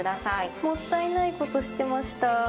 もったいないことしてました。